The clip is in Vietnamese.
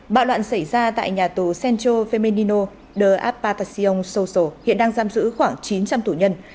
bạo loạn xảy ra tại nhà tù centro femenino de apartación social hiện đang giam giữ khoảng chín trăm linh tù nhân